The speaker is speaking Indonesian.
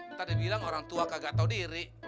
entah dia bilang orang tua kagak tahu diri